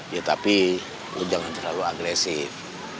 ya tapi jangan terlalu agresif